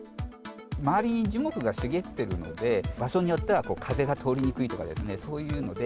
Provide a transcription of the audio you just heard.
周りに樹木が茂っているので、場所によっては風が通りにくいとか、そういうので、